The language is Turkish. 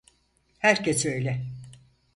Herkes öyle.